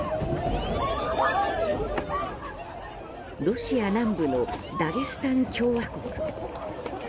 ロシア南部のダゲスタン共和国。